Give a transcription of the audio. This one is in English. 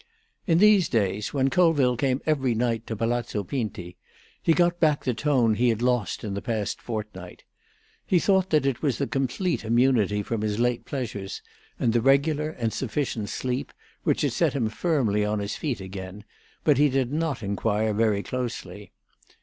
In these days, when Colville came every night to Palazzo Pinti, he got back the tone he had lost in the past fortnight. He thought that it was the complete immunity from his late pleasures, and the regular and sufficient sleep, which had set him firmly on his feet again, but he did not inquire very closely.